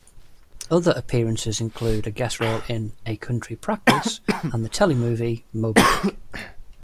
Other appearances include a guest role in "A Country Practice", and the telemovie "Moby-Dick".